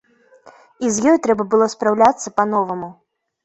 І з ёй трэба было спраўляцца па-новаму.